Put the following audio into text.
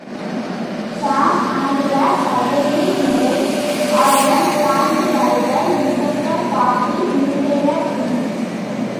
Sam and the surviving marines are then flanked by the infected, partly mutated, humans.